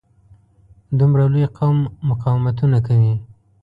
دومره لوی قوم مقاومتونه کوي.